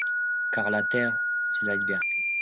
Car la terre, c'est la liberté.